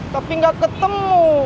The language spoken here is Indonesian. tapi gak ketemu